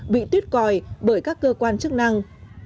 bị tuyết còi bởi các cơ quan chức năng